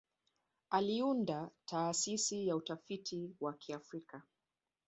Aliunda Taasisi ya Utafiti wa Kiafrika.